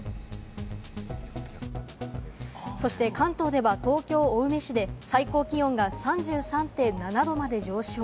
そして関東では東京・青梅市で最高気温が３３．７度まで上昇。